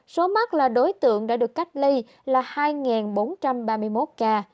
số mắc là đối tượng đã được cách ly là hai bốn trăm ba mươi một ca